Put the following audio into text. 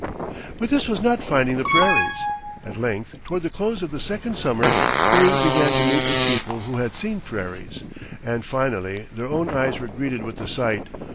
But this was not finding the prairies. At length, toward the close of the second summer, they began to meet with people who had seen prairies, and finally their own eyes were greeted with the sight.